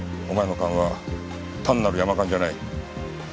お前の勘は単なる山勘じゃない。